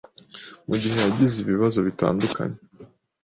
mu gihe yagize ibibazo bitandukanye